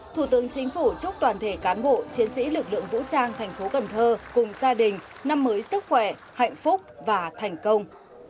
thủ tướng chính phủ chúc toàn thể cán bộ chiến sĩ lực lượng vũ trang thành phố cần thơ cùng gia đình năm mới sức khỏe hạnh phúc và thành công